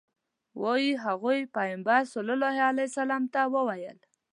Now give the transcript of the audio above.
وایي هغوی پیغمبر صلی الله علیه وسلم ته وویل.